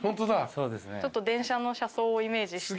ちょっと電車の車窓をイメージして。